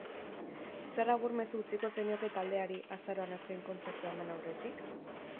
Zer agur mezu utziko zenioke taldeari, azaroan azken kontzertua eman aurretik?